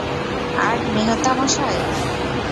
আর, মেহতা মশাই?